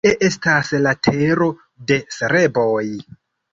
Kie estas la tero de serboj?